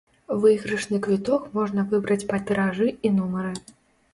Выйгрышны квіток можна выбраць па тыражы і нумары.